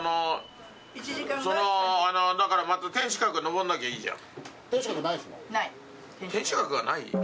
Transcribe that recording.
そのだからまた天守閣登んなきゃいいじゃん。